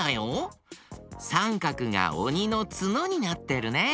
さんかくがおにのツノになってるね。